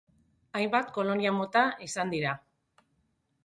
Hainbat kolonia mota izan dira.